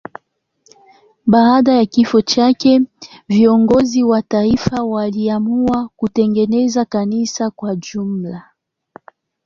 Baada ya kifo chake viongozi wa taifa waliamua kutengeneza kanisa kwa jumla.